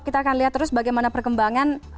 kita akan lihat terus bagaimana perkembangan